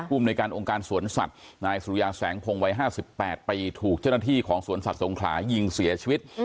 ภูมิในการองค์การสวนสัตว์นายสุริยาแสงพงศ์วัย๕๘ปีถูกเจ้าหน้าที่ของสวนสัตว์สงขลายิงเสียชีวิต